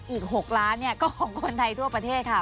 อีก๖ล้านก็ของคนไทยทั่วประเทศค่ะ